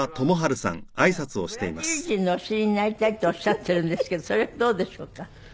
ブラジル人のお尻になりたいとおっしゃってるんですけどそれはどうでしょうか？